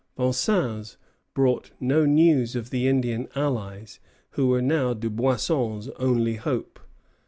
Vincennes brought no news of the Indian allies, who were now Dubuisson's only hope.